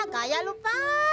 gak ya lupa